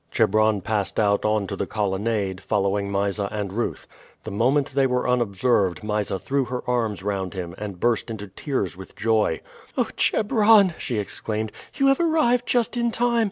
Chebron passed out on to the colonnade, following Mysa and Ruth. The moment they were unobserved Mysa threw her arms round him, and burst into tears with joy. "Oh, Chebron!" she exclaimed, "you have arrived just in time.